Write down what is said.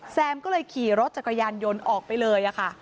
แซมก็เลยขี่รถจักรยานยนต์ออกไปเลยค่ะ